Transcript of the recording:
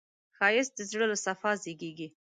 ښایست د زړه له صفا زېږېږي